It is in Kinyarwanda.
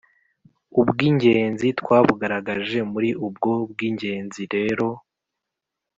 ubw'ingenzi twabugaragaje muri ubwo bw'ingenzi rero,